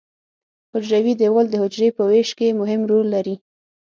حجروي دیوال د حجرې په ویش کې مهم رول لري.